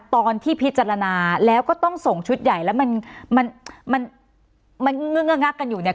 ตอนที่พิจารณาแล้วก็ต้องส่งชุดใหญ่แล้วมันมันเงื่องักกันอยู่เนี่ย